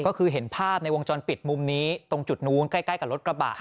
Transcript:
ก็คือเห็นภาพในวงจรปิดมุมนี้ตรงจุดนู้นใกล้กับรถกระบะ